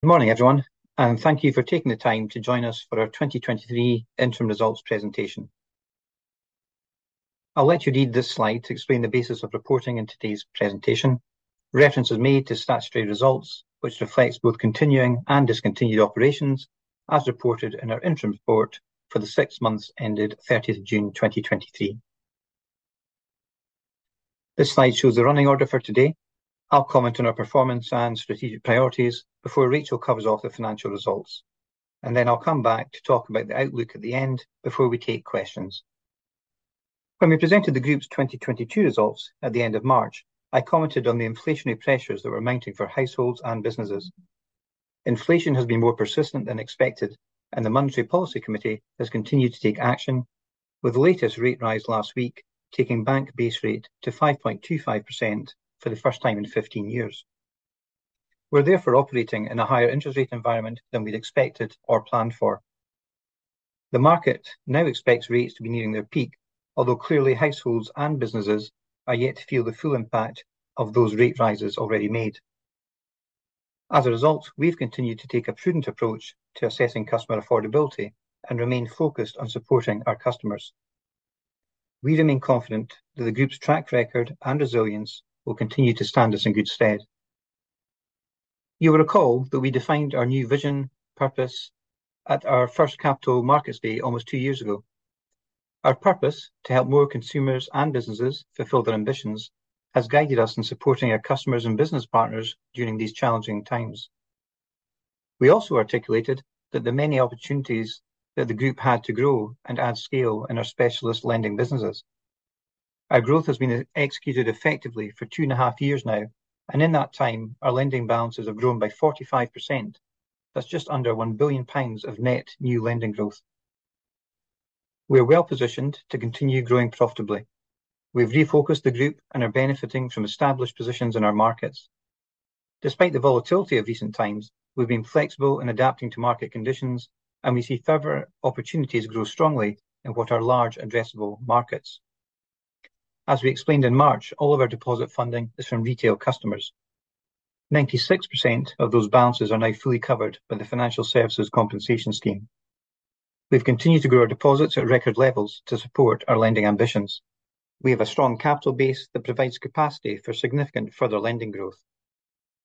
Good morning, everyone, and thank you for taking the time to join us for our 2023 interim results presentation. I'll let you read this slide to explain the basis of reporting in today's presentation. Reference is made to statutory results, which reflects both continuing and discontinued operations, as reported in our interim report for the six months ended June 30, 2023. This slide shows the running order for today. I'll comment on our performance and strategic priorities before Rachel covers off the financial results, and then I'll come back to talk about the outlook at the end before we take questions. When we presented the group's 2022 results at the end of March, I commented on the inflationary pressures that were mounting for households and businesses. Inflation has been more persistent than expected. The Monetary Policy Committee has continued to take action, with the latest rate rise last week, taking bank base rate to 5.25% for the first time in 15 years. We're therefore operating in a higher interest rate environment than we'd expected or planned for. The market now expects rates to be nearing their peak, although clearly, households and businesses are yet to feel the full impact of those rate rises already made. As a result, we've continued to take a prudent approach to assessing customer affordability and remain focused on supporting our customers. We remain confident that the Group's track record and resilience will continue to stand us in good stead. You will recall that we defined our new vision, purpose at our first Capital Markets Day almost two years ago. Our purpose, to help more consumers and businesses fulfill their ambitions, has guided us in supporting our customers and business partners during these challenging times. We also articulated that the many opportunities that the group had to grow and add scale in our specialist lending businesses. Our growth has been executed effectively for 2.5 years now, and in that time, our lending balances have grown by 45%. That's just under 1 billion pounds of net new lending growth. We are well positioned to continue growing profitably. We've refocused the group and are benefiting from established positions in our markets. Despite the volatility of recent times, we've been flexible in adapting to market conditions, and we see further opportunities grow strongly in what are large addressable markets. As we explained in March, all of our deposit funding is from retail customers. 96% of those balances are now fully covered by the Financial Services Compensation Scheme. We've continued to grow our deposits at record levels to support our lending ambitions. We have a strong capital base that provides capacity for significant further lending growth.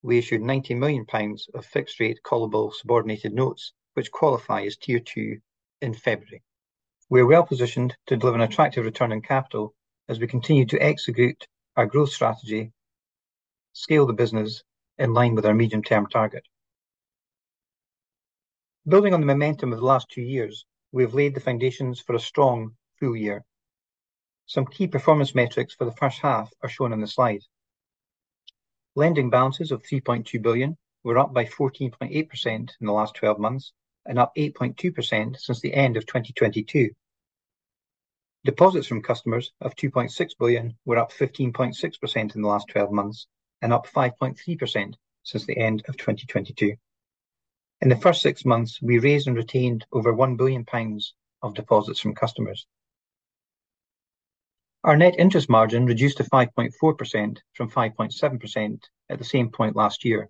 We issued 90 million pounds of fixed rate callable subordinated notes, which qualify as Tier two in February. We're well positioned to deliver an attractive return on capital as we continue to execute our growth strategy, scale the business in line with our medium-term target. Building on the momentum of the last two years, we have laid the foundations for a strong full year. Some key performance metrics for the first half are shown on the slide. Lending balances of 3.2 billion were up by 14.8% in the last 12 months and up 8.2% since the end of 2022. Deposits from customers of 2.6 billion were up 15.6% in the last 12 months and up 5.3% since the end of 2022. In the first six months, we raised and retained over 1 billion pounds of deposits from customers. Our net interest margin reduced to 5.4% from 5.7% at the same point last year.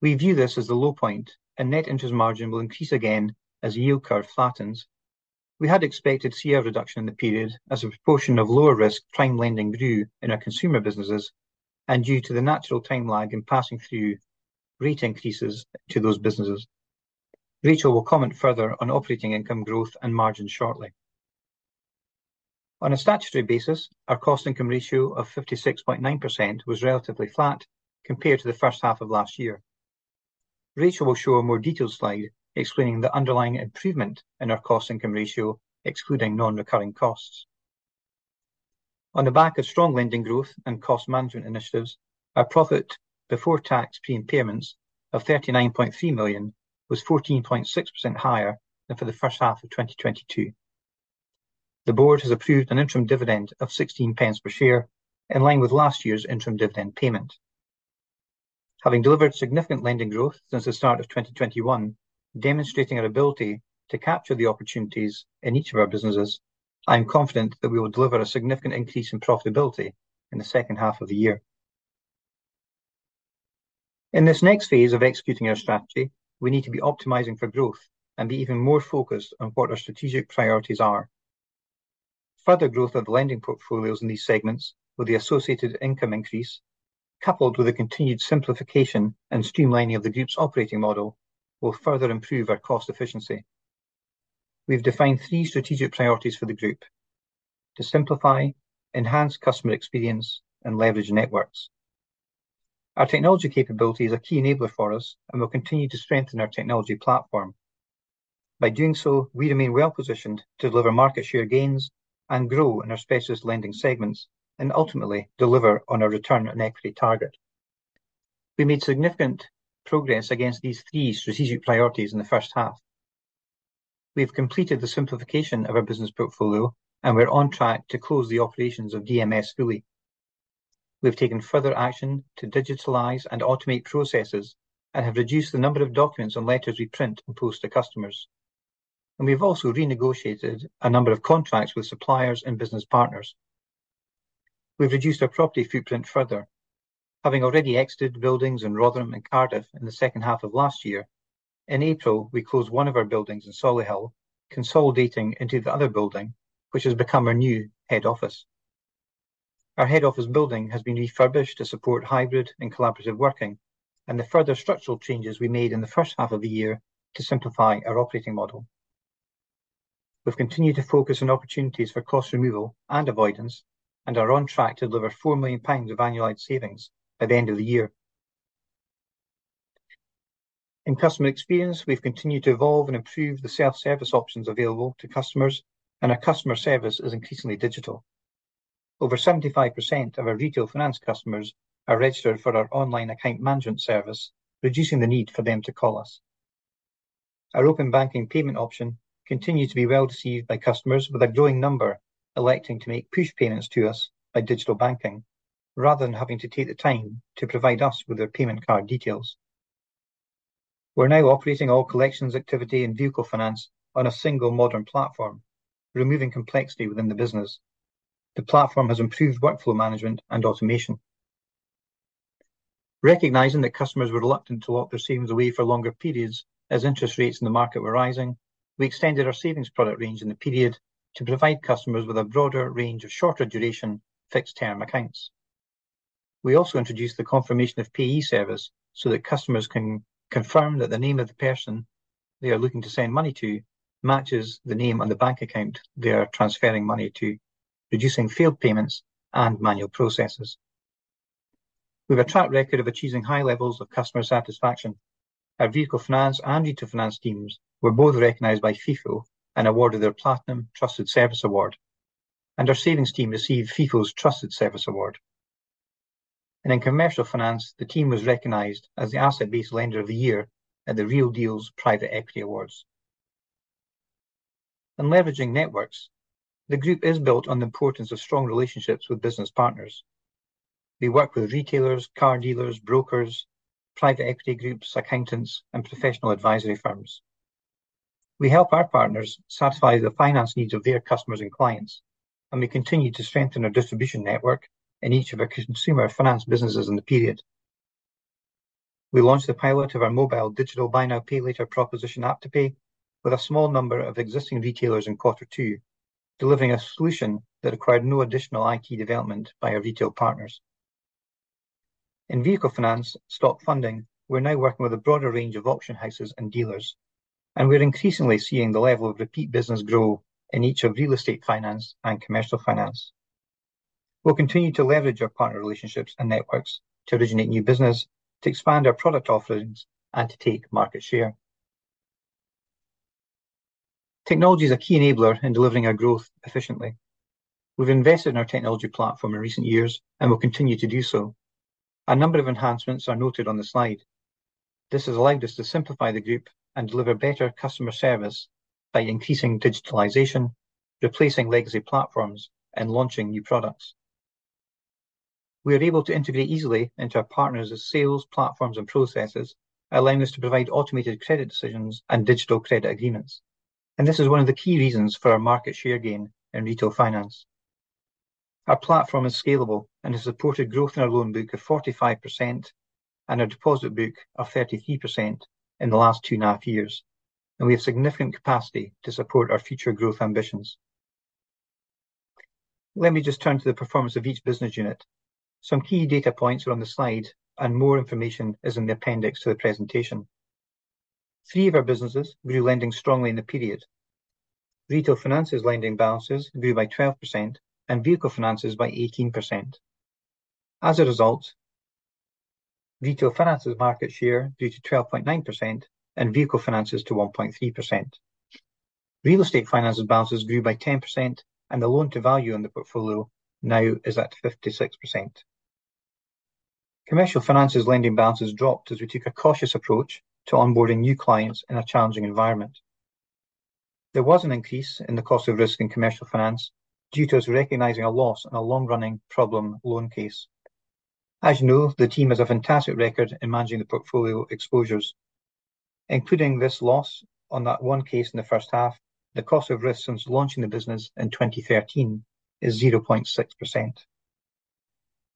We view this as the low point. Net interest margin will increase again as the yield curve flattens. We had expected to see a reduction in the period as a proportion of lower risk prime lending grew in our consumer businesses and due to the natural time lag in passing through rate increases to those businesses. Rachel will comment further on operating income growth and margin shortly. On a statutory basis, our cost-income ratio of 56.9% was relatively flat compared to the first half of last year. Rachel will show a more detailed slide explaining the underlying improvement in our cost-income ratio, excluding non-recurring costs. On the back of strong lending growth and cost management initiatives, our profit before tax pre-impairments of 39.3 million was 14.6% higher than for the first half of 2022. The board has approved an interim dividend of 16 pence per share, in line with last year's interim dividend payment. Having delivered significant lending growth since the start of 2021, demonstrating our ability to capture the opportunities in each of our businesses, I am confident that we will deliver a significant increase in profitability in the second half of the year. In this next phase of executing our strategy, we need to be optimizing for growth and be even more focused on what our strategic priorities are. Further growth of the lending portfolios in these segments, with the associated income increase, coupled with a continued simplification and streamlining of the Group's operating model, will further improve our cost efficiency. We've defined three strategic priorities for the Group: to simplify, enhance customer experience, and leverage networks. Our technology capability is a key enabler for us and will continue to strengthen our technology platform. By doing so, we remain well-positioned to deliver market share gains and grow in our specialist lending segments and ultimately deliver on our return on equity target. We made significant progress against these three strategic priorities in the first half. We have completed the simplification of our business portfolio, and we're on track to close the operations of DMS fully. We've taken further action to digitalize and automate processes and have reduced the number of documents and letters we print and post to customers. We've also renegotiated a number of contracts with suppliers and business partners. We've reduced our property footprint further. Having already exited buildings in Rotherham and Cardiff in the second half of last year, in April, we closed one of our buildings in Solihull, consolidating into the other building, which has become our new head office. Our head office building has been refurbished to support hybrid and collaborative working, and the further structural changes we made in the first half of the year to simplify our operating model. We've continued to focus on opportunities for cost removal and avoidance, and are on track to deliver 4 million pounds of annualized savings by the end of the year. In customer experience, we've continued to evolve and improve the self-service options available to customers, and our customer service is increasingly digital. Over 75% of our Retail Finance customers are registered for our online account management service, reducing the need for them to call us. Our Open Banking payment option continues to be well received by customers, with a growing number electing to make push payments to us by digital banking, rather than having to take the time to provide us with their payment card details. We're now operating all collections activity and Vehicle Finance on a single modern platform, removing complexity within the business. The platform has improved workflow management and automation. Recognizing that customers were reluctant to lock their savings away for longer periods as interest rates in the market were rising, we extended our savings product range in the period to provide customers with a broader range of shorter duration, fixed-term accounts. We also introduced the Confirmation of Payee service so that customers can confirm that the name of the person they are looking to send money to matches the name on the bank account they are transferring money to, reducing failed payments and manual processes. We have a track record of achieving high levels of customer satisfaction. Our Vehicle Finance and Retail Finance teams were both recognized by Feefo and awarded their Platinum Trusted Service Award. Our savings team received Feefo's Trusted Service Award. In Commercial Finance, the team was recognized as the Asset Based Lender of the Year at the Real Deals Private Equity Awards. In leveraging networks, the group is built on the importance of strong relationships with business partners. We work with retailers, car dealers, brokers, private equity groups, accountants, and professional advisory firms. We help our partners satisfy the finance needs of their customers and clients, and we continue to strengthen our distribution network in each of our consumer finance businesses in the period. We launched a pilot of our mobile digital buy now, pay later proposition AppToPay, with a small number of existing retailers in Q2, delivering a solution that required no additional IT development by our retail partners. In Vehicle Finance, stock funding, we're now working with a broader range of auction houses and dealers, and we're increasingly seeing the level of repeat business grow in each of Real Estate Finance and Commercial Finance. We'll continue to leverage our partner relationships and networks to originate new business, to expand our product offerings, and to take market share. Technology is a key enabler in delivering our growth efficiently. We've invested in our technology platform in recent years and will continue to do so. A number of enhancements are noted on the slide. This has allowed us to simplify the group and deliver better customer service by increasing digitalization, replacing legacy platforms, and launching new products. We are able to integrate easily into our partners' sales, platforms, and processes, allowing us to provide automated credit decisions and digital credit agreements. This is one of the key reasons for our market share gain in Retail Finance. Our platform is scalable and has supported growth in our loan book of 45% and our deposit book of 33% in the last 2.5 years, and we have significant capacity to support our future growth ambitions. Let me just turn to the performance of each business unit. Some key data points are on the slide, and more information is in the appendix to the presentation. Three of our businesses grew lending strongly in the period. Retail Finance's lending balances grew by 12% and vehicle finances by 18%. As a result, Retail Finance's market share grew to 12.9% and vehicle finances to 1.3%. Real estate finances balances grew by 10%, and the loan-to-value on the portfolio now is at 56%. Commercial Finance's lending balances dropped as we took a cautious approach to onboarding new clients in a challenging environment. There was an increase in the cost of risk in Commercial Finance due to us recognizing a loss in a long-running problem loan case. As you know, the team has a fantastic record in managing the portfolio exposures, including this loss on that one case in the first half, the cost of risk since launching the business in 2013 is 0.6%.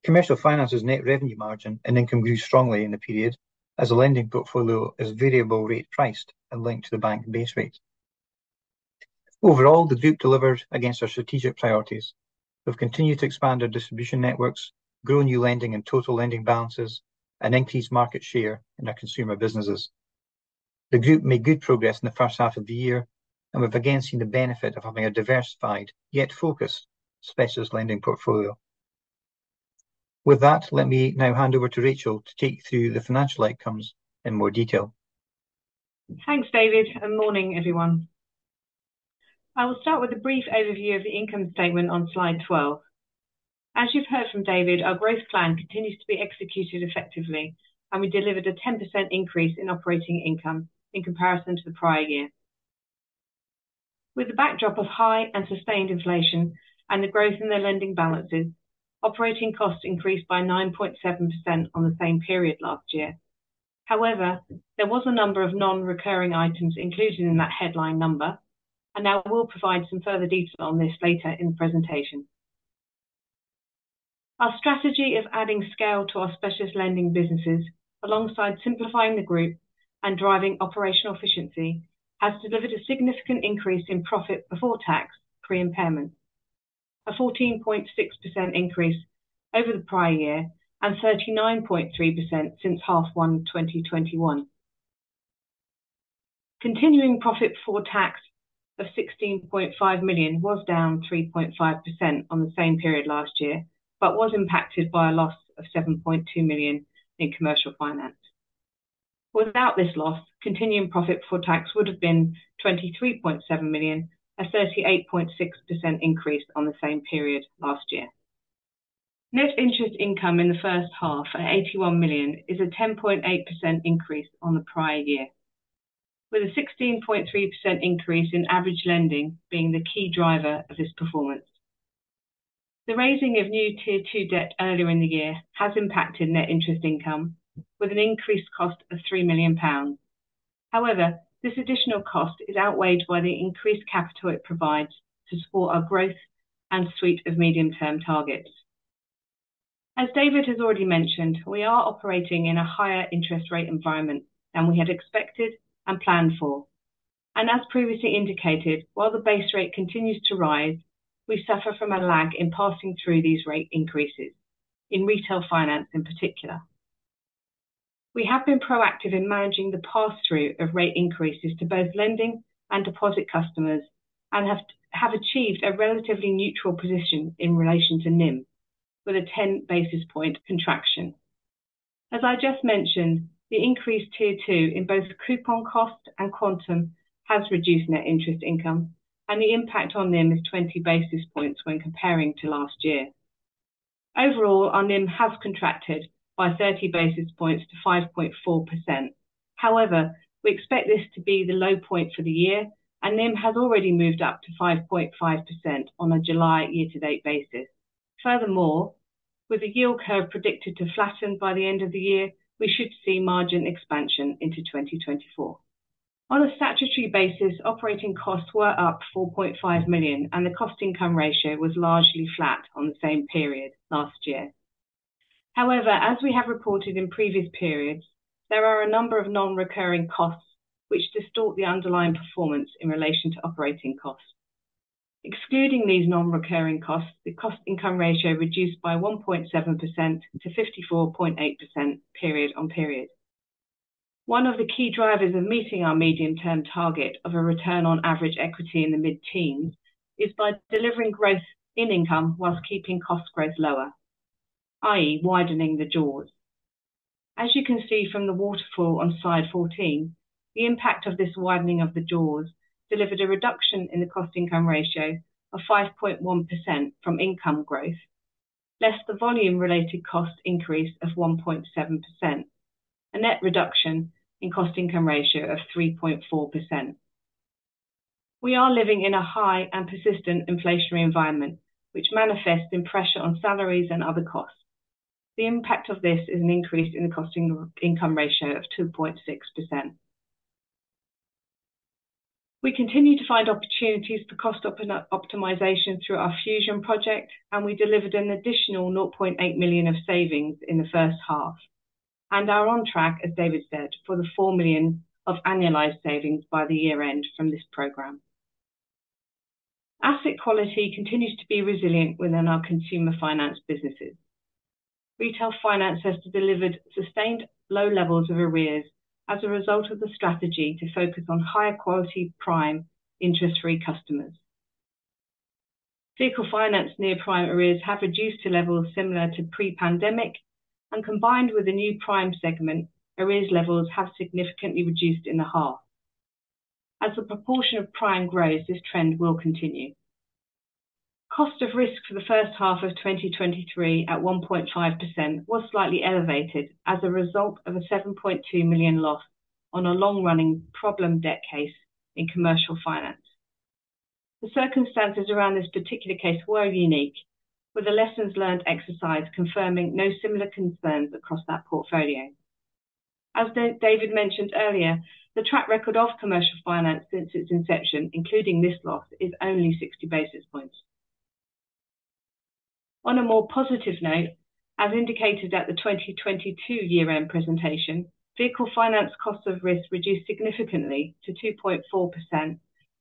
Commercial Finance's net revenue margin and income grew strongly in the period as the lending portfolio is variable rate priced and linked to the bank base rate. Overall, the group delivered against our strategic priorities. We've continued to expand our distribution networks, grow new lending and total lending balances, and increase market share in our consumer businesses. The group made good progress in the first half of the year, and we've again seen the benefit of having a diversified, yet focused, specialist lending portfolio. With that, let me now hand over to Rachel to take you through the financial outcomes in more detail. Thanks, David. Morning, everyone. I will start with a brief overview of the income statement on slide 12. As you've heard from David, our growth plan continues to be executed effectively, and we delivered a 10% increase in operating income in comparison to the prior year. With the backdrop of high and sustained inflation and the growth in their lending balances, operating costs increased by 9.7% on the same period last year. However, there was a number of non-recurring items included in that headline number, and I will provide some further detail on this later in the presentation. Our strategy of adding scale to our specialist lending businesses, alongside simplifying the group and driving operational efficiency, has delivered a significant increase in profit before tax pre-impairment, a 14.6% increase over the prior year and 39.3% since half one, 2021. Continuing profit before tax of 16.5 million was down 3.5% on the same period last year, but was impacted by a loss of 7.2 million in Commercial Finance. Without this loss, continuing profit before tax would have been 23.7 million, a 38.6% increase on the same period last year. Net interest income in the first half at 81 million is a 10.8% increase on the prior year, with a 16.3% increase in average lending being the key driver of this performance. The raising of new Tier two debt earlier in the year has impacted net interest income with an increased cost of 3 million pounds. This additional cost is outweighed by the increased capital it provides to support our growth and suite of medium-term targets. As David has already mentioned, we are operating in a higher interest rate environment than we had expected and planned for, and as previously indicated, while the base rate continues to rise, we suffer from a lag in passing through these rate increases, in Retail Finance in particular. We have been proactive in managing the pass-through of rate increases to both lending and deposit customers and have achieved a relatively neutral position in relation to NIM, with a 10 basis point contraction. As I just mentioned, the increased Tier two in both coupon cost and quantum has reduced net interest income. The impact on NIM is 20 basis points when comparing to last year. Overall, our NIM has contracted by 30 basis points to 5.4%. However, we expect this to be the low point for the year, and NIM has already moved up to 5.5% on a July year-to-date basis. Furthermore, with the yield curve predicted to flatten by the end of the year, we should see margin expansion into 2024. On a statutory basis, operating costs were up 4.5 million. The cost-income ratio was largely flat on the same period last year. However, as we have reported in previous periods, there are a number of non-recurring costs which distort the underlying performance in relation to operating costs. Excluding these non-recurring costs, the cost-income ratio reduced by 1.7%-54.8% period-on-period. One of the key drivers of meeting our medium-term target of a return on average equity in the mid-teens is by delivering growth in income whilst keeping cost growth lower, i.e., widening the jaws. As you can see from the waterfall on slide 14, the impact of this widening of the jaws delivered a reduction in the cost-income ratio of 5.1% from income growth, less the volume-related cost increase of 1.7%, a net reduction in cost-income ratio of 3.4%. We are living in a high and persistent inflationary environment, which manifests in pressure on salaries and other costs. The impact of this is an increase in the cost-income ratio of 2.6%. We continue to find opportunities for cost optimization through our Project Fusion. We delivered an additional 0.8 million of savings in the first half and are on track, as David said, for the 4 million of annualized savings by the year end from this program. Asset quality continues to be resilient within our consumer finance businesses. Retail Finance has delivered sustained low levels of arrears as a result of the strategy to focus on higher quality prime interest-free customers. Vehicle Finance near-prime arrears have reduced to levels similar to pre-pandemic. Combined with the new prime segment, arrears levels have significantly reduced in the half. As the proportion of prime grows, this trend will continue. Cost of risk for the first half of 2023, at 1.5%, was slightly elevated as a result of a 7.2 million loss on a long-running problem debt case in Commercial Finance. The circumstances around this particular case were unique, with a lessons learned exercise confirming no similar concerns across that portfolio. As David mentioned earlier, the track record of Commercial Finance since its inception, including this loss, is only 60 basis points. On a more positive note, as indicated at the 2022 year-end presentation, Vehicle Finance cost of risk reduced significantly to 2.4%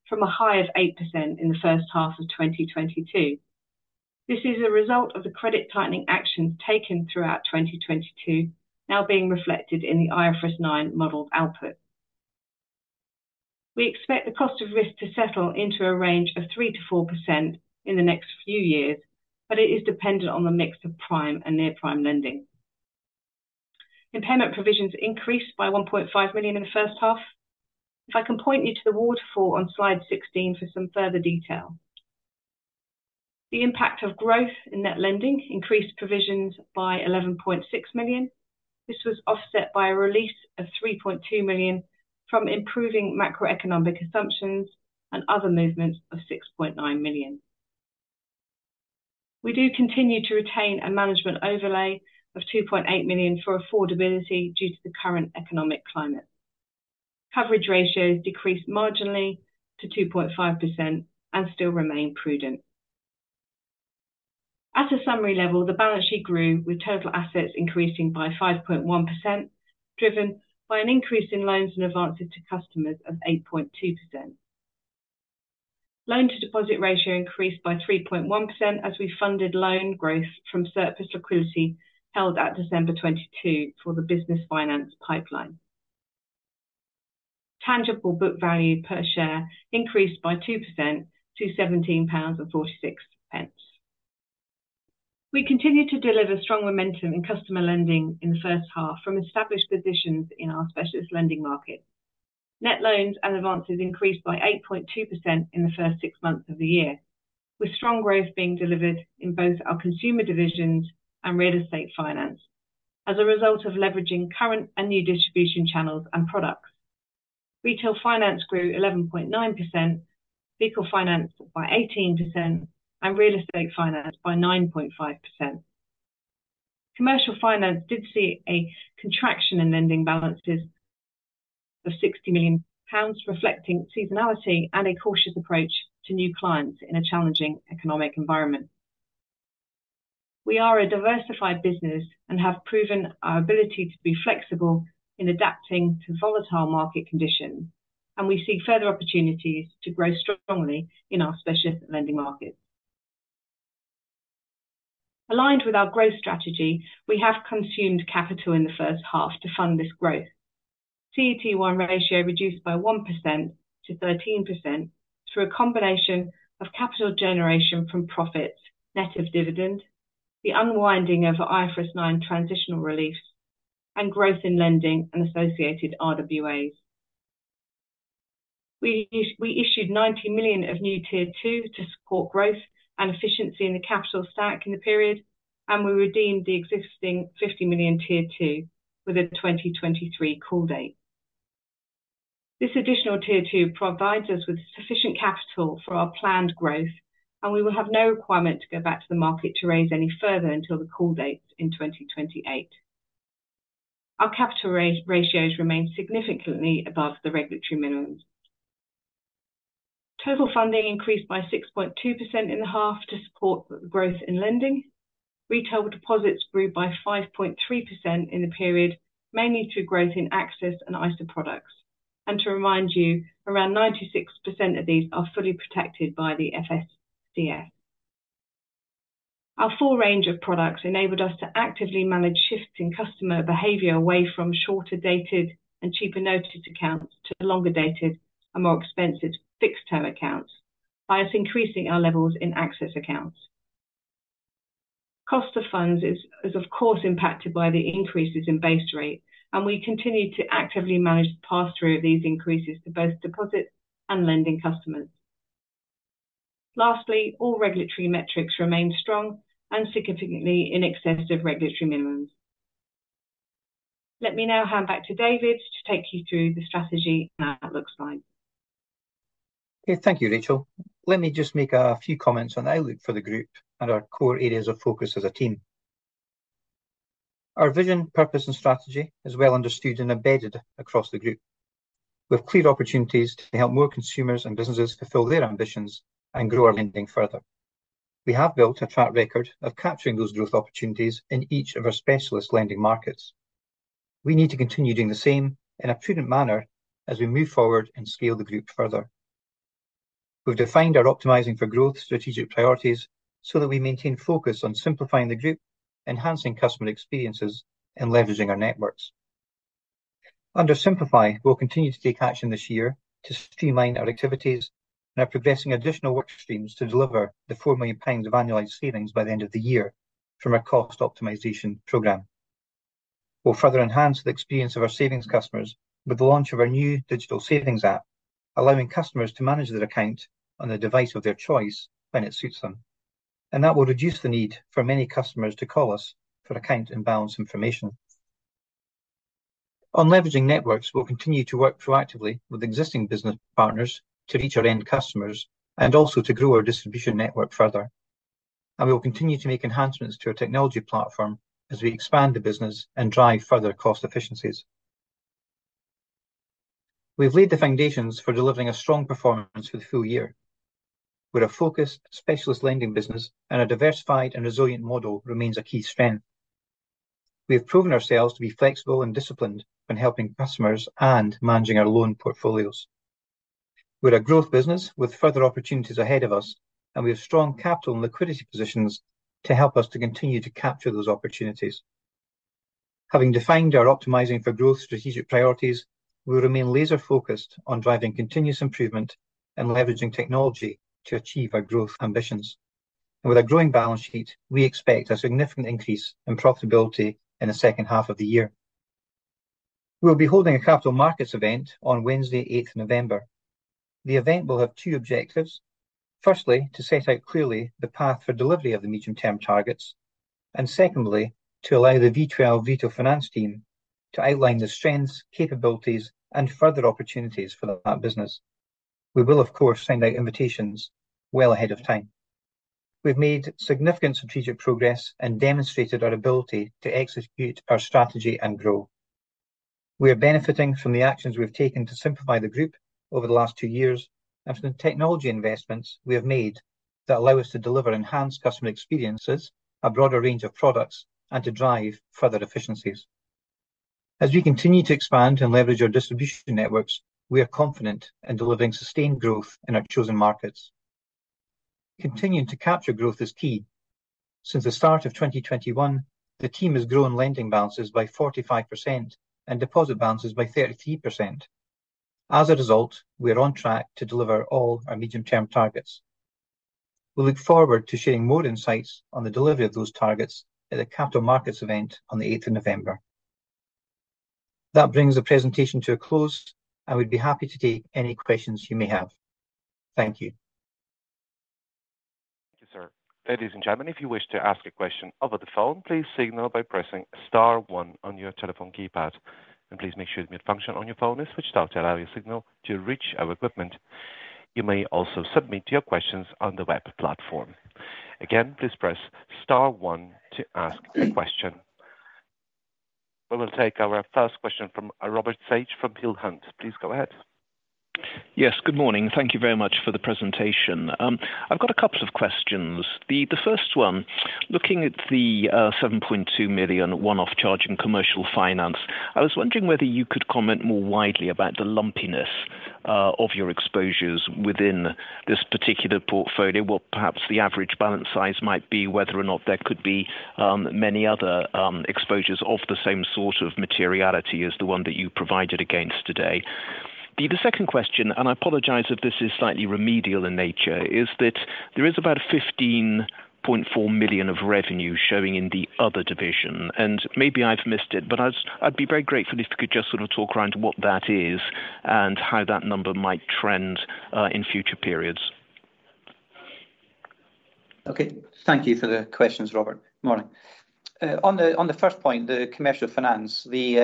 from a high of 8% in the first half of 2022. This is a result of the credit tightening actions taken throughout 2022 now being reflected in the IFRS 9 modeled output. We expect the cost of risk to settle into a range of 3%-4% in the next few years. It is dependent on the mix of prime and near-prime lending. Impairment provisions increased by 1.5 million in the first half. If I can point you to the waterfall on Slide 16 for some further detail. The impact of growth in net lending increased provisions by 11.6 million. This was offset by a release of 3.2 million from improving macroeconomic assumptions and other movements of 6.9 million. We do continue to retain a management overlay of 2.8 million for affordability due to the current economic climate. Coverage ratios decreased marginally to 2.5% and still remain prudent. At a summary level, the balance sheet grew, with total assets increasing by 5.1%, driven by an increase in loans and advances to customers of 8.2%. Loan-to-deposit ratio increased by 3.1% as we funded loan growth from surplus liquidity held at December 2022 for the business finance pipeline. Tangible book value per share increased by 2% to 17.46 pounds. We continued to deliver strong momentum in customer lending in the first half from established positions in our specialist lending market. Net loans and advances increased by 8.2% in the first six months of the year, with strong growth being delivered in both our consumer divisions and Real Estate Finance as a result of leveraging current and new distribution channels and products. Retail Finance grew 11.9%, Vehicle Finance by 18%, and Real Estate Finance by 9.5%. Commercial Finance did see a contraction in lending balances of 60 million pounds, reflecting seasonality and a cautious approach to new clients in a challenging economic environment. We are a diversified business and have proven our ability to be flexible in adapting to volatile market conditions, and we see further opportunities to grow strongly in our specialist lending markets. Aligned with our growth strategy, we have consumed capital in the first half to fund this growth. CET1 ratio reduced by 1%-13% through a combination of capital generation from profits, net of dividend, the unwinding of IFRS 9 transitional relief, and growth in lending and associated RWAs. We issued 90 million of new Tier two to support growth and efficiency in the capital stack in the period, and we redeemed the existing 50 million Tier two with a 2023 call date. This additional Tier two provides us with sufficient capital for our planned growth. We will have no requirement to go back to the market to raise any further until the call date in 2028. Our capital ratios remain significantly above the regulatory minimums. Total funding increased by 6.2% in the half to support the growth in lending. Retail deposits grew by 5.3% in the period, mainly through growth in access and ISA products. To remind you, around 96% of these are fully protected by the FSCS. Our full range of products enabled us to actively manage shifts in customer behavior away from shorter dated and cheaper noticed accounts to longer dated and more expensive fixed term accounts by us increasing our levels in access accounts. Cost of funds is of course impacted by the increases in base rate, and we continue to actively manage the pass-through of these increases to both deposits and lending customers. Lastly, all regulatory metrics remain strong and significantly in excess of regulatory minimums. Let me now hand back to David to take you through the strategy and outlook slide. Okay, thank you, Rachel. Let me just make a few comments on the outlook for the group and our core areas of focus as a team. Our vision, purpose, and strategy is well understood and embedded across the group, with clear opportunities to help more consumers and businesses fulfill their ambitions and grow our lending further. We have built a track record of capturing those growth opportunities in each of our specialist lending markets. We need to continue doing the same in a prudent manner as we move forward and scale the group further. We've defined our Optimizing for Growth Strategic Priorities so that we maintain focus on simplifying the group, enhancing customer experiences, and leveraging our networks. Under Simplify, we'll continue to take action this year to streamline our activities, and are progressing additional work streams to deliver the 4 million pounds of annualized savings by the end of the year from our cost optimization program. We'll further enhance the experience of our savings customers with the launch of our new digital savings app, allowing customers to manage their account on the device of their choice when it suits them. That will reduce the need for many customers to call us for account and balance information. On leveraging networks, we'll continue to work proactively with existing business partners to reach our end customers and also to grow our distribution network further, we will continue to make enhancements to our technology platform as we expand the business and drive further cost efficiencies. We've laid the foundations for delivering a strong performance for the full year. We're a focused specialist lending business, and a diversified and resilient model remains a key strength. We have proven ourselves to be flexible and disciplined when helping customers and managing our loan portfolios. We're a growth business with further opportunities ahead of us, and we have strong capital and liquidity positions to help us to continue to capture those opportunities. Having defined our optimizing for growth strategic priorities, we remain laser-focused on driving continuous improvement and leveraging technology to achieve our growth ambitions. With a growing balance sheet, we expect a significant increase in profitability in the second half of the year. We'll be holding a Capital Markets event on Wednesday, eighth November. The event will have two objectives. Firstly, to set out clearly the path for delivery of the medium-term targets and secondly, to allow the V12 Retail Finance team to outline the strengths, capabilities, and further opportunities for the business... We will, of course, send out invitations well ahead of time. We've made significant strategic progress and demonstrated our ability to execute our strategy and grow. We are benefiting from the actions we've taken to simplify the group over the last two years, and from the technology investments we have made that allow us to deliver enhanced customer experiences, a broader range of products, and to drive further efficiencies. As we continue to expand and leverage our distribution networks, we are confident in delivering sustained growth in our chosen markets. Continuing to capture growth is key. Since the start of 2021, the team has grown lending balances by 45% and deposit balances by 33%. As a result, we are on track to deliver all our medium-term targets. We look forward to sharing more insights on the delivery of those targets at the Capital Markets Day on the 8th of November. That brings the presentation to a close, and we'd be happy to take any questions you may have. Thank you. Thank you, sir. Ladies and gentlemen, if you wish to ask a question over the phone, please signal by pressing star one on your telephone keypad, and please make sure the mute function on your phone is switched off to allow your signal to reach our equipment. You may also submit your questions on the web platform. Again, please press star one to ask a question. We will take our first question from Robert Sage from Peel Hunt. Please go ahead. Yes, good morning. Thank you very much for the presentation. I've got a couple of questions. The, the first one, looking at the 7.2 million one-off charge in Commercial Finance, I was wondering whether you could comment more widely about the lumpiness of your exposures within this particular portfolio. What perhaps the average balance size might be, whether or not there could be many other exposures of the same sort of materiality as the one that you provided against today. The, the second question, and I apologize if this is slightly remedial in nature, is that there is about 15.4 million of revenue showing in the other division, and maybe I've missed it, but I'd, I'd be very grateful if you could just sort of talk around what that is, and how that number might trend in future periods. Okay, thank you for the questions, Robert. Morning. On the, on the first point, the Commercial Finance, the,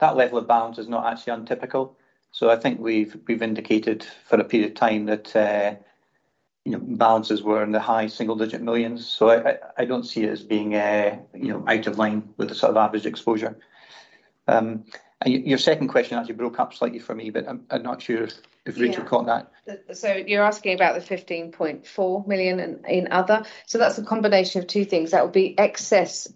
that level of balance is not actually untypical. I think we've, we've indicated for a period of time that, you know, balances were in the high single-digit millions, so I, I, I don't see it as being, you know, out of line with the sort of average exposure. Your, your second question actually broke up slightly for me, but I'm, I'm not sure if, if Rachel caught that. Yeah. You're asking about the 15.4 million in, in other? That's a combination of two things. That would be excess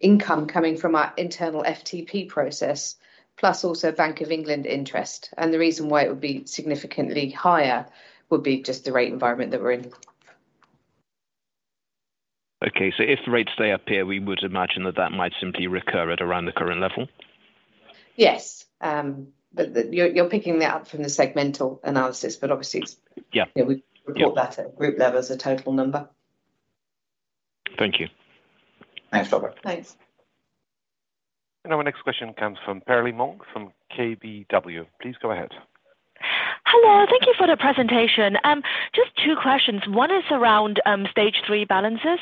income coming from our internal FTP process, plus also Bank of England interest, and the reason why it would be significantly higher would be just the rate environment that we're in. Okay. If the rates stay up here, we would imagine that that might simply recur at around the current level? Yes, but the, you're, you're picking that up from the segmental analysis, but obviously it's- Yeah. Yeah. Yeah report that at group level as a total number. Thank you. Thanks, Robert. Thanks. Our next question comes from Pearlie Mong, from KBW. Please go ahead. Hello, thank you for the presentation. Just two questions. One is around Stage 3 balances.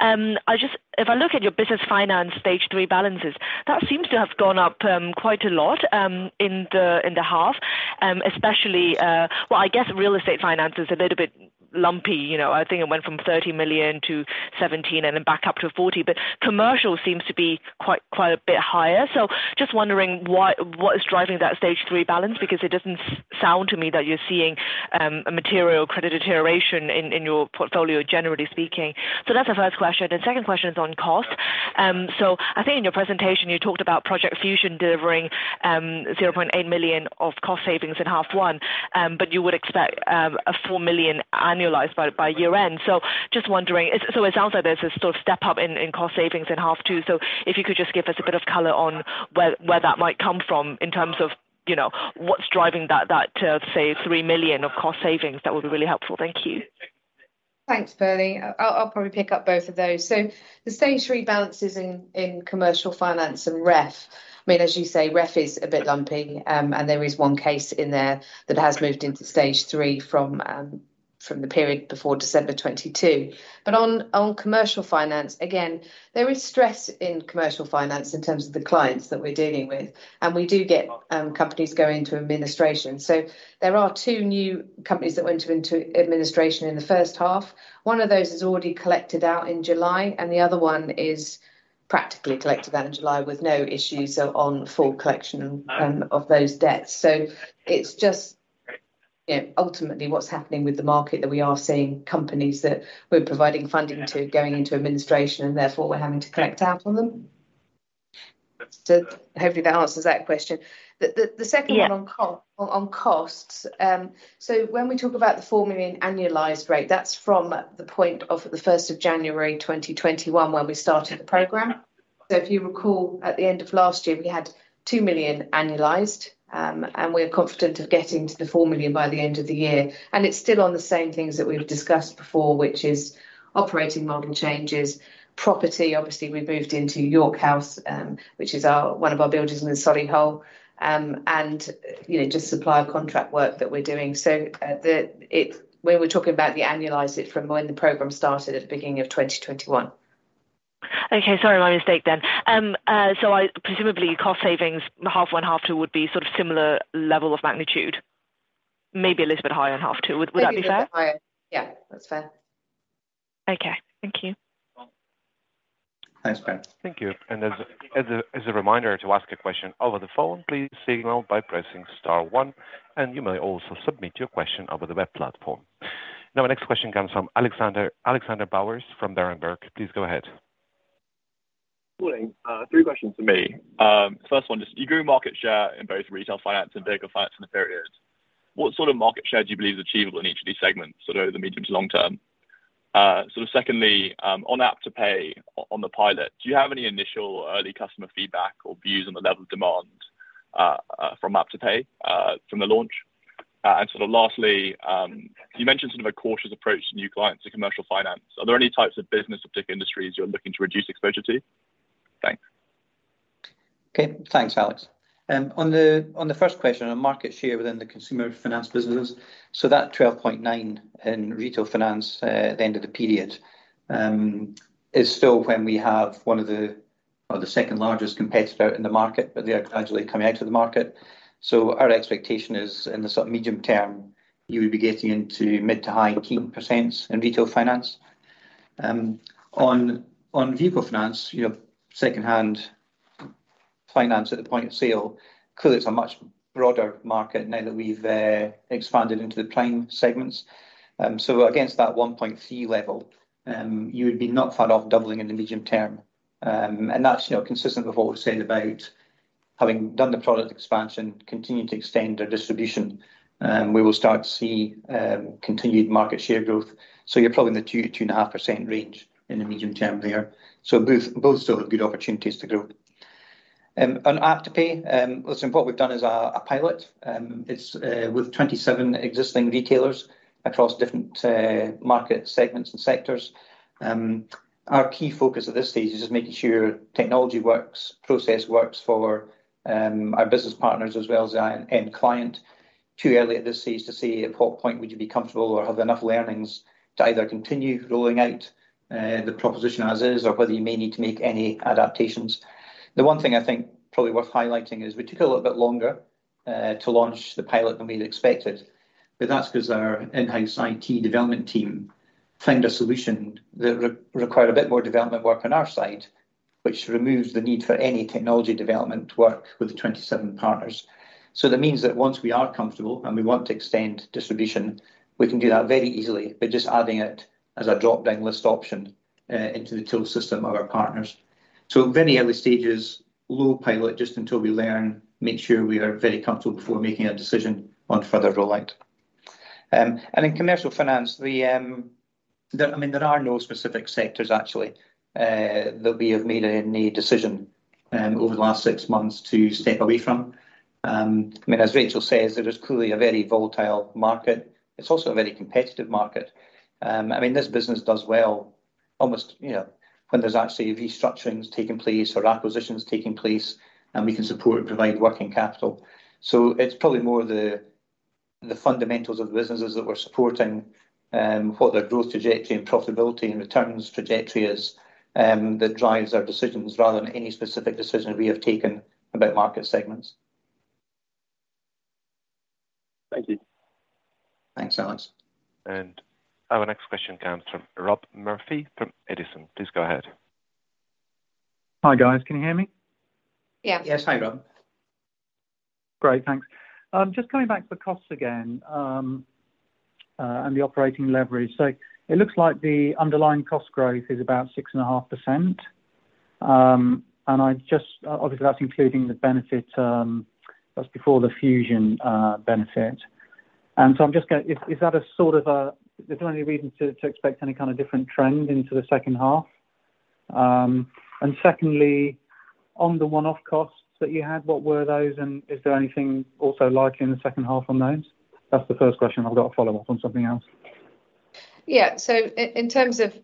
If I look at your business finance Stage 3 balances, that seems to have gone up quite a lot in the half, especially, well, I guess Real Estate Finance is a little bit lumpy, you know. I think it went from 30 million to 17 million, and then back up to 40 million, but Commercial Finance seems to be quite, quite a bit higher. Just wondering what, what is driving that Stage 3 balance, because it doesn't sound to me that you're seeing a material credit deterioration in your portfolio, generally speaking. That's the first question, and second question is on cost. I think in your presentation, you talked about Project Fusion delivering 0.8 million of cost savings in half one, but you would expect 4 million annualized by year-end. Just wondering, so it sounds like there's a sort of step up in cost savings in half two. If you could just give us a bit of color on where that might come from in terms of, you know, what's driving that, say, 3 million of cost savings, that would be really helpful. Thank you. Thanks, Pearlie. I'll, I'll probably pick up both of those. The Stage 3 balances in Commercial Finance and REF, I mean, as you say, REF is a bit lumpy. There is one case in there that has moved into Stage 3 from the period before December 2022. On Commercial Finance, again, there is stress in Commercial Finance in terms of the clients that we're dealing with, and we do get companies going to administration. There are two new companies that went into administration in the first half. One of those is already collected out in July, and the other one is practically collected out in July with no issues on full collection of those debts. It's just, you know, ultimately, what's happening with the market, that we are seeing companies that we're providing funding to going into administration, and therefore, we're having to collect out on them. Hopefully that answers that question. Yeah. The second one on costs, when we talk about the 4 million annualized rate, that's from the point of the 1st of January 2021, when we started the program. If you recall, at the end of last year, we had 2 million annualized, and we're confident of getting to the 4 million by the end of the year. It's still on the same things that we've discussed before, which is operating model changes, property, obviously, we moved into York House, which is our one of our buildings in Solihull, and, you know, just supplier contract work that we're doing. We were talking about the annualized it from when the program started at the beginning of 2021. Okay, sorry, my mistake then. I presumably cost savings, half one, half two would be sort of similar level of magnitude, maybe a little bit higher in half two. Would, would that be fair? Maybe a little bit higher. Yeah, that's fair. Okay. Thank you. Thanks, then. Thank you. As a reminder to ask a question over the phone, please signal by pressing star one, and you may also submit your question over the web platform. Our next question comes from Alexander Bowers from Berenberg. Please go ahead. Good morning. Three questions from me. First one, just you grew market share in both Retail Finance and Vehicle Finance in the period. What sort of market share do you believe is achievable in each of these segments, sort of the medium to long term? Secondly, on AppToPay on the pilot, do you have any initial early customer feedback or views on the level of demand from AppToPay from the launch? Lastly, you mentioned sort of a cautious approach to new clients in Commercial Finance. Are there any types of business or particular industries you're looking to reduce exposure to? Thanks. Okay. Thanks, Alex. On the, on the first question, on market share within the consumer finance business, so that 12.9 in Retail Finance, at the end of the period, is still when we have one of the or the second largest competitor in the market, but they are gradually coming out of the market. Our expectation is, in the sort of medium term, you would be getting into mid to high teen % in Retail Finance. On, on Vehicle Finance, you know, second-hand finance at the point of sale, clearly, it's a much broader market now that we've expanded into the prime segments. Against that 1.3 level, you would be not far off doubling in the medium term. That's, you know, consistent with what we've said about having done the product expansion, continuing to extend our distribution, we will start to see continued market share growth. You're probably in the 2%-2.5% range in the medium term there. Both, both still have good opportunities to grow. On AppToPay, listen, what we've done is a pilot, it's with 27 existing retailers across different market segments and sectors. Our key focus at this stage is just making sure technology works, process works for our business partners, as well as the end client. Too early at this stage to say at what point would you be comfortable or have enough learnings to either continue rolling out the proposition as is, or whether you may need to make any adaptations. The one thing I think probably worth highlighting is we took a little bit longer to launch the pilot than we'd expected, but that's 'cause our in-house IT development team found a solution that re-required a bit more development work on our side, which removes the need for any technology development work with the 27 partners. That means that once we are comfortable and we want to extend distribution, we can do that very easily by just adding it as a drop-down list option into the tool system of our partners. Very early stages, low pilot, just until we learn, make sure we are very comfortable before making a decision on further rollout. In Commercial Finance, I mean, there are no specific sectors actually that we have made any decision over the last 6 months to step away from. I mean, as Rachel says, it is clearly a very volatile market. It's also a very competitive market. I mean, this business does well, almost, you know, when there's actually restructurings taking place or acquisitions taking place, and we can support and provide working capital. It's probably more the, the fundamentals of the businesses that we're supporting, what their growth trajectory and profitability and returns trajectory is, that drives our decisions rather than any specific decision we have taken about market segments. Thank you. Thanks, Alex. Our next question comes from Rob Murphy from Edison. Please go ahead. Hi, guys. Can you hear me? Yeah. Yes. Hi, Rob. Great, thanks. Just coming back to the costs again, and the operating leverage. It looks like the underlying cost growth is about 6.5%. I just, obviously, that's including the benefit, that's before the fusion benefit. Is there any reason to expect any kind of different trend into the second half? Secondly, on the one-off costs that you had, what were those, and is there anything also likely in the second half on those? That's the first question. I've got a follow-up on something else. Yeah. In terms of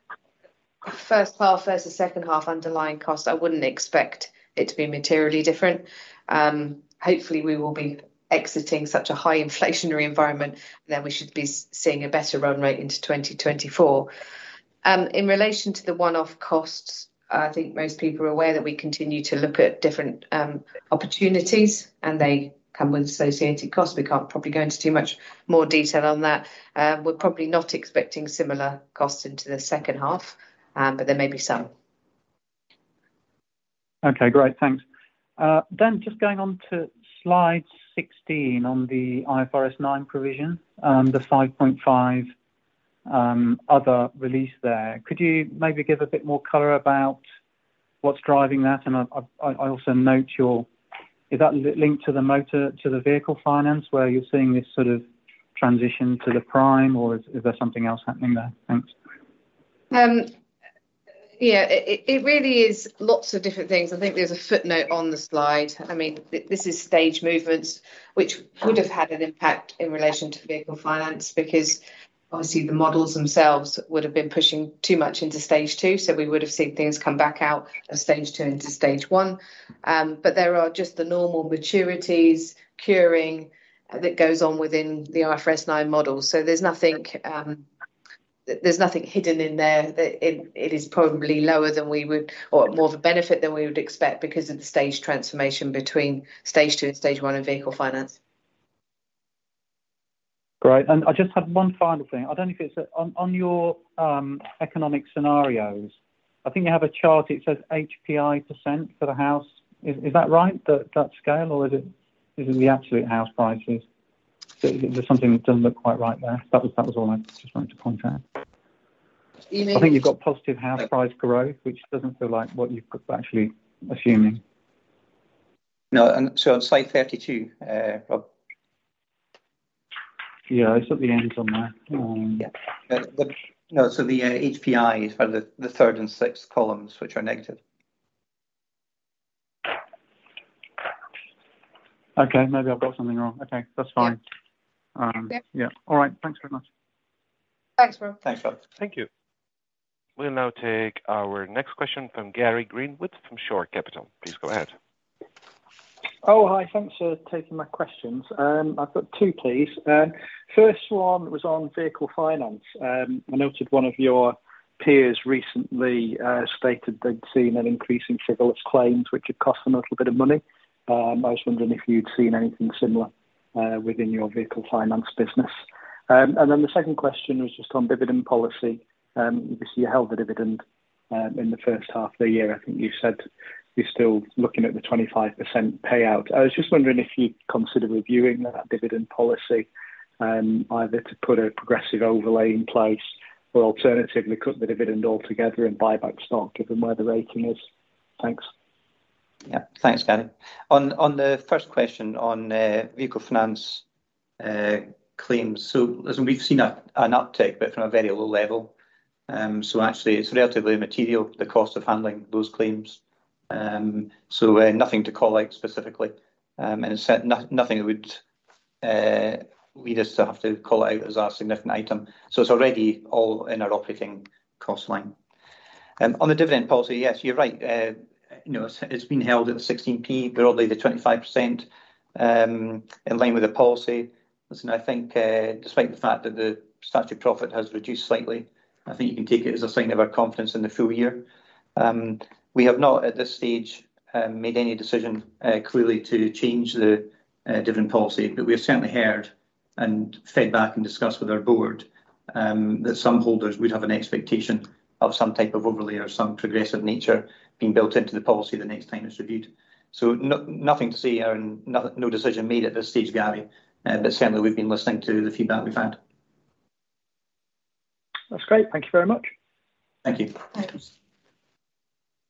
first half versus second half underlying cost, I wouldn't expect it to be materially different. Hopefully, we will be exiting such a high inflationary environment, then we should be seeing a better run rate into 2024. In relation to the one-off costs, I think most people are aware that we continue to look at different opportunities, and they come with associated costs. We can't probably go into too much more detail on that. We're probably not expecting similar costs into the second half, but there may be some. Okay, great. Thanks. Just going on to slide 16 on the IFRS 9 provision, the 5.5 other release there. Could you maybe give a bit more color about what's driving that? I, I, I also note your... Is that linked to the motor, to the Vehicle Finance, where you're seeing this sort of transition to the prime, or is, is there something else happening there? Thanks. Yeah, it really is lots of different things. I think there's a footnote on the slide. This is stage movements, which would have had an impact in relation to Vehicle Finance, because obviously, the models themselves would have been pushing too much into Stage 2, so we would have seen things come back out of Stage 2 into Stage 1. There are just the normal maturities, curing, that goes on within the IFRS 9 model. There's nothing.... There's nothing hidden in there, that it, it is probably lower than we would or more of a benefit than we would expect because of the stage transformation between Stage 2 and Stage 1 in Vehicle Finance. Great. I just have one final thing. I don't know if it's, on, on your economic scenarios, I think you have a chart that says HPI% for the house. Is, is that right, that, that scale, or is it, is it the absolute house prices? There's something that doesn't look quite right there. That was, that was all I just wanted to point out. You know- I think you've got positive house price growth, which doesn't feel like what you've got actually assuming. No, so on slide 32, Rob. Yeah, it's at the end on there. Yeah. No, the HPI is for the third and sixth columns, which are negative. Okay, maybe I've got something wrong. Okay, that's fine. Yeah. Yeah. All right. Thanks very much. Thanks, Rob. Thanks, Rob. Thank you. We'll now take our next question from Gary Greenwood from Shore Capital. Please go ahead. Oh, hi. Thanks for taking my questions. I've got two, please. First one was on Vehicle Finance. I noted one of your peers recently stated they'd seen an increase in frivolous claims, which had cost them a little bit of money. I was wondering if you'd seen anything similar within your Vehicle Finance business. The second question was just on dividend policy. Obviously, you held the dividend in the first half of the year. I think you said you're still looking at the 25% payout. I was just wondering if you'd consider reviewing that dividend policy, either to put a progressive overlay in place or alternatively, cut the dividend altogether and buy back stock given where the rating is. Thanks. Yeah. Thanks, Gary. On, on the first question on Vehicle Finance claims, listen, we've seen an uptick, but from a very low level. Actually it's relatively material, the cost of handling those claims. Nothing to call out specifically, and it's nothing that would lead us to have to call it out as a significant item. It's already all in our operating cost line. On the dividend policy, yes, you're right. You know, it's been held at the GBP 0.16, broadly the 25%, in line with the policy. Listen, I think, despite the fact that the statute profit has reduced slightly, I think you can take it as a sign of our confidence in the full year. We have not, at this stage, made any decision, clearly to change the dividend policy. We have certainly heard and fed back and discussed with our board that some holders would have an expectation of some type of overlay or some progressive nature being built into the policy the next time it's reviewed. Nothing to say here and no, no decision made at this stage, Gary. Certainly we've been listening to the feedback we've had. That's great. Thank you very much. Thank you. Thanks.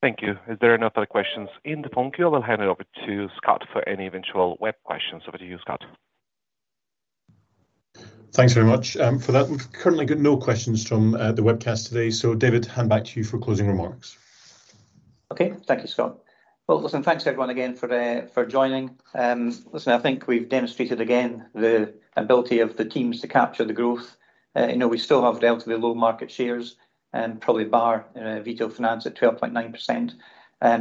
Thank you. Is there any other questions in the phone queue? I'll hand it over to Scott for any eventual web questions. Over to you, Scott. Thanks very much for that. We've currently got no questions from the webcast today. David, hand back to you for closing remarks. Okay. Thank you, Scott. Well, listen, thanks, everyone, again, for joining. Listen, I think we've demonstrated again the ability of the teams to capture the growth. You know, we still have relatively low market shares and probably bar Retail Finance at 12.9%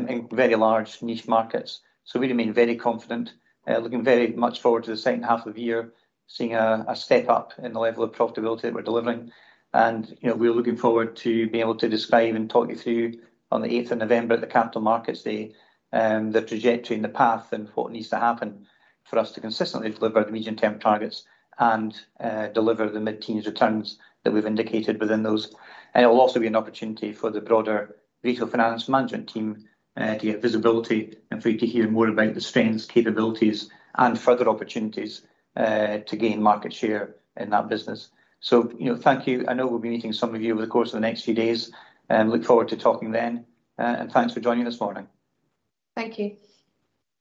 in very large niche markets. We remain very confident, looking very much forward to the second half of the year, seeing a step up in the level of profitability that we're delivering. You know, we're looking forward to being able to describe and talk you through on the eighth of November at the Capital Markets Day, the trajectory and the path and what needs to happen for us to consistently deliver our medium-term targets and deliver the mid-teenager returns that we've indicated within those. It will also be an opportunity for the broader Retail Finance management team to get visibility and for you to hear more about the strengths, capabilities, and further opportunities to gain market share in that business. You know, thank you. I know we'll be meeting some of you over the course of the next few days, look forward to talking then, and thanks for joining this morning. Thank you.